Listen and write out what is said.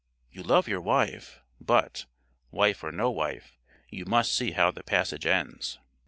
You love your wife, but, wife or no wife, you must see how the passage ends.